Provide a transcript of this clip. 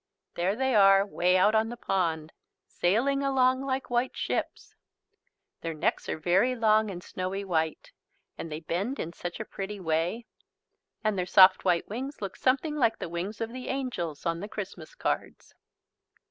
There they are, way out on the pond, sailing along like white ships. Their necks are very long and snowy white and they bend in such a pretty way. And their soft white wings look something like the wings of the angels on the Christmas cards.